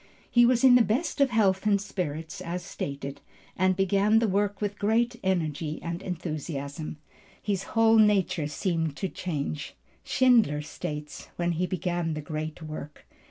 He was in the best of health and spirits as stated, and began the work with great energy and enthusiasm. His whole nature seemed to change, Schindler states, when he began the great work.